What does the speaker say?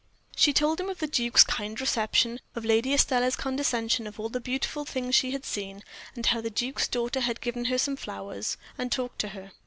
She told him of the duke's kind reception, of Lady Estelle's condescension, of all the beautiful things she had seen, and how the duke's daughter had given her some flowers, and talked to her.